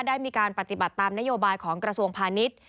ได้มีการปฏิบัติตามนโยบายของกระทรวงพาณิชย์